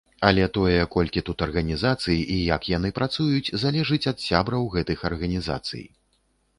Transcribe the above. Але тое, колькі тут арганізацый і як яны працуюць, залежыць ад сябраў гэтых арганізацый.